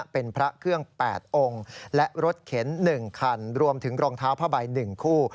เป็นพระเครื่อง๘องค์และรถเข็น๑คันรวมถึงรองเท้าผ้าใบ๑คู่